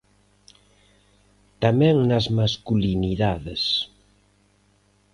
Tamén nas masculinidades.